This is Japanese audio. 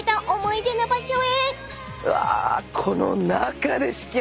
うわ。